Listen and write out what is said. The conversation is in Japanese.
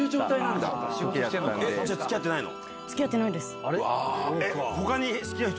じゃあ付き合ってないの？